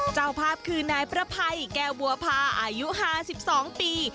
เจ้าภาพคืนายพระไพ่แก้วบัวพาอายุฮา๑๒ปี